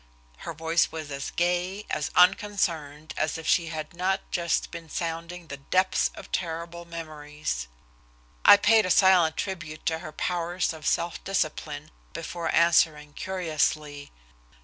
Her voice was as gay, as unconcerned, as if she had not just been sounding the depths of terrible memories. I paid a silent tribute to her powers of self discipline before answering curiously.